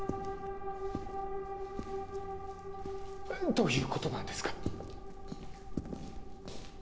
どういうことなんですか？